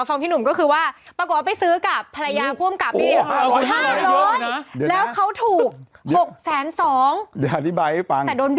เดี๋ยวอธิบายให้ฟัง